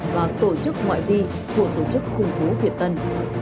và tổ chức ngoại vi của tổ chức khủng bố việt tân